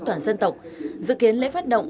toàn dân tộc dự kiến lễ phát động